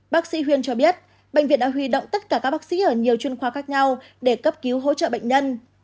bác sĩ huyên cho biết bệnh viện đã huy động tất cả các bác sĩ ở nhiều chuyên khoa khác nhau để cấp cứu hỗ trợ bệnh nhân